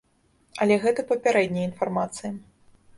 Але гэта папярэдняя інфармацыя.